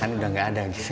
kan udah gak ada